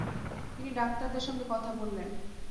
তিনি ডাক্তারদের সঙ্গে কথা বললেন।